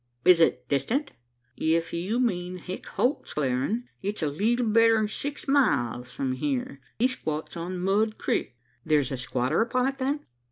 "Is it distant?" "If you mean Hick Holt's Clearin', it's a leetle better'n six miles from here. He squats on Mud Crik." "There's a squatter upon it, then?"